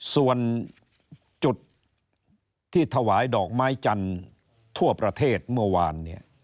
ส่วนจุดที่ถวายดอกไม้จันทร์ทั่วประเทศเมื่อวานเนี่ย